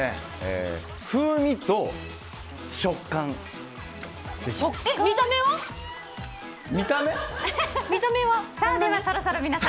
風味と食感です。